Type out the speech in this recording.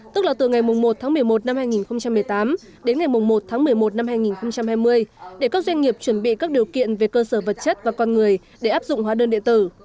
tức là từ ngày một tháng một mươi một năm hai nghìn một mươi tám đến ngày một tháng một mươi một năm hai nghìn hai mươi để các doanh nghiệp chuẩn bị các điều kiện về cơ sở vật chất và con người để áp dụng hóa đơn điện tử